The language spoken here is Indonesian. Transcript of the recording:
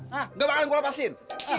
hah enggak bakalan gue lepasin